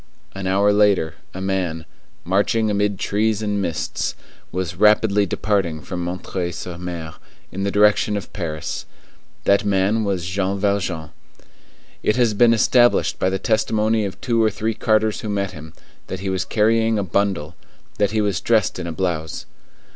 An hour later, a man, marching amid trees and mists, was rapidly departing from M. sur M. in the direction of Paris. That man was Jean Valjean. It has been established by the testimony of two or three carters who met him, that he was carrying a bundle; that he was dressed in a blouse.